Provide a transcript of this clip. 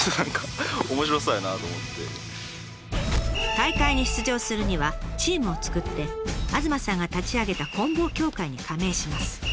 大会に出場するにはチームを作って東さんが立ち上げた棍棒協会に加盟します。